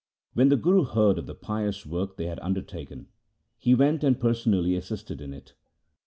When the Guru heard of the pious work they had undertaken, he went and personally assisted in it.